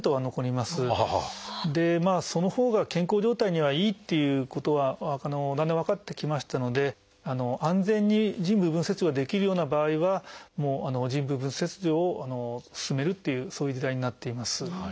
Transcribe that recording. でそのほうが健康状態にはいいっていうことがだんだん分かってきましたので安全に腎部分切除ができるような場合は腎部分切除を勧めるっていうそういう時代になっています。